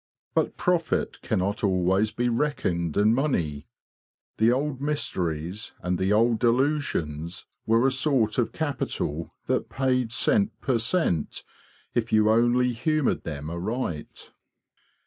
But profit cannot always be reckoned in money. The old mysteries and the old delusions were a sort of capital that paid cent per cent if you only humoured them aright.